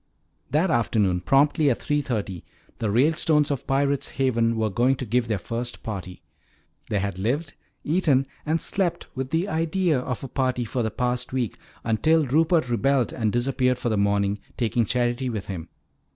That afternoon promptly at three thirty the Ralestones of Pirate's Haven were going to give their first party. They had lived, eaten, and slept with the idea of a party for the past week until Rupert rebelled and disappeared for the morning, taking Charity with him.